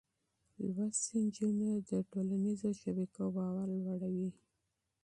لوستې نجونې د ټولنيزو شبکو باور لوړوي.